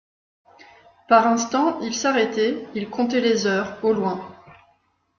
Par instants, il s'arrêtait, il comptait les heures, au loin.